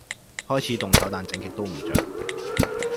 開始動手但整極都唔着